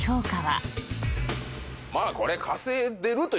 まあこれ。